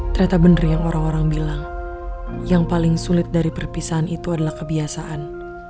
ternyata bener yang orang orang bilang yang paling sulit dari perpisahan itu adalah kebiasaan